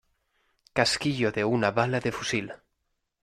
casquillo de una bala de fusil.